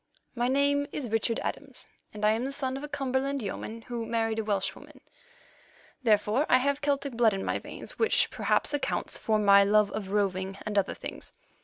My name is Richard Adams, and I am the son of a Cumberland yeoman who married a Welshwoman. Therefore I have Celtic blood in my veins, which perhaps accounts for my love of roving and other things.